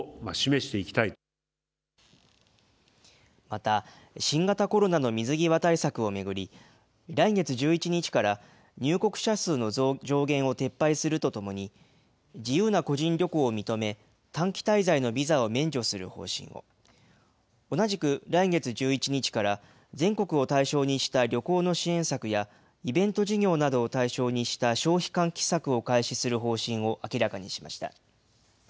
また、新型コロナの水際対策を巡り、来月１１日から入国者数の上限を撤廃するとともに、自由な個人旅行を認め、短期滞在のビザを免除する方針を。同じく来月１１日から全国を対象にした旅行の支援策や、イベント事業などを対象にした消費喚起策を開始する方針を明らかにしました。